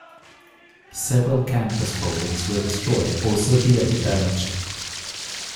Several campus buildings were destroyed or severely damaged.